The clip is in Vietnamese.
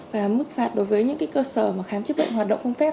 và mức phạt đối với những cơ sở khám chức vận hoạt động không phép